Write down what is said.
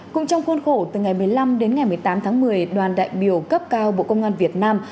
cùng trong khuôn khổ từ ngày một mươi năm đến ngày một mươi tám tháng một mươi đoàn đại biểu cấp cao bộ công an việt nam